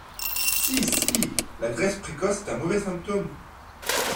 Si ! si ! la graisse précoce est un mauvais symptôme.